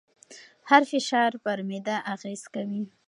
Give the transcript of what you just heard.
هر فشار پر معده اغېز کوي.